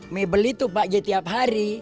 mebel itu pak j tiap hari